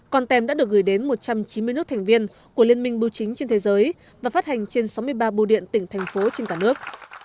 con tem đã được gửi đến một trăm chín mươi nước thành viên của liên minh bưu chính trên thế giới và phát hành trên sáu mươi ba bưu điện tỉnh thành phố trên cả nước